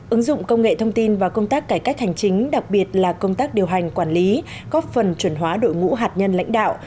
ứng dụng công nghệ thông tin và công tác cải cách hành chính đặc biệt là công tác điều hành quản lý góp phần chuẩn hóa đội ngũ hạt nhân lãnh đạo